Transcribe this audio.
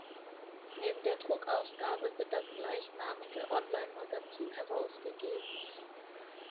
Neben der Druckausgabe wird das gleichnamige Online-Magazin herausgegeben.